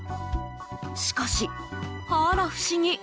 しかし、あら不思議。